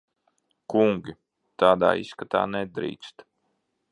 Kungi! Tādā izskatā nedrīkst.